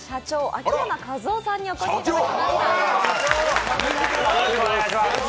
秋山和生さんにお越しいただきました。